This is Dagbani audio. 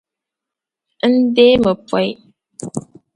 N deemi pooi.